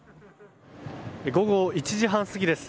午後１時半過ぎです。